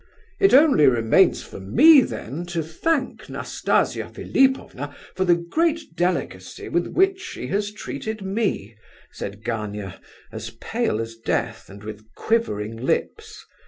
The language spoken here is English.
"It only remains for me, then, to thank Nastasia Philipovna for the great delicacy with which she has treated me," said Gania, as pale as death, and with quivering lips.